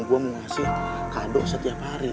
gue mau ngasih kado setiap hari